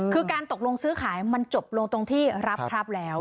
คือการตกลงซื้อขายมันจบลงตรงที่รับครับแล้ว